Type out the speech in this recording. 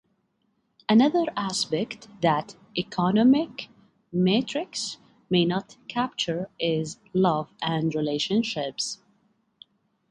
Another aspect that economic metrics may not capture is love and relationships.